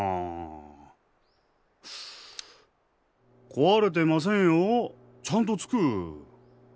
壊れてませんよちゃんとつく。